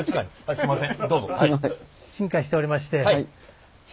すんません。